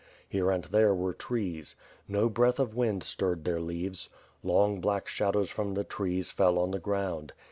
Here and there were trees. No breath of wind stirred their leaves. Long, black shadows from the trees fell on the ground.